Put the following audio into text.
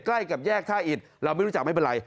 ใกล้กับแยกท่าอิดเราไม่รู้จักไม่เป็นไร